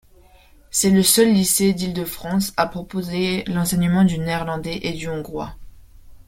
C'est le seul lycée d'Île-de-France à proposer l'enseignement du néerlandais et du hongrois.